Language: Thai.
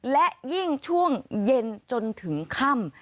และยิ่งช่วงเย็นจนถึงค่ำ